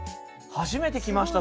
初めて来ました